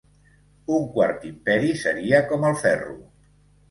Un quart imperi seria com el ferro.